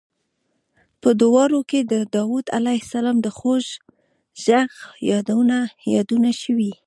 په دواړو کې د داود علیه السلام د خوږ غږ یادونه شوې.